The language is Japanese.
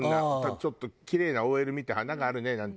ちょっとキレイなＯＬ見て「華があるねー！」なんて。